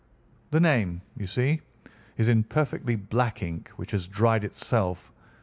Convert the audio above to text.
"The name, you see, is in perfectly black ink, which has dried itself.